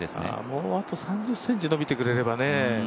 もうあと３０ｃｍ伸びてくれればね。